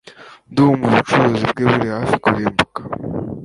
Ndumva ubucuruzi bwe buri hafi kurimbuka